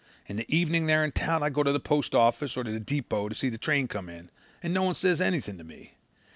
In the evening, there in town, I go to the post office or to the depot to see the train come in, and no one says anything to me.